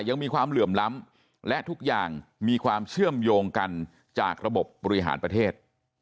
ยังมีความเหลื่อมล้ำและทุกอย่างมีความเชื่อมโยงกันจากระบบบบริหารประเทศ